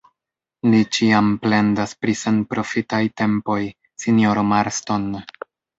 Li ĉiam plendas pri senprofitaj tempoj, sinjoro Marston.